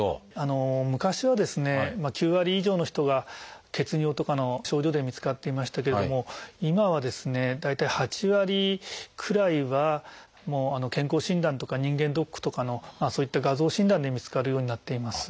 昔はですね９割以上の人が血尿とかの症状で見つかっていましたけれども今はですね大体８割くらいは健康診断とか人間ドックとかのそういった画像診断で見つかるようになっています。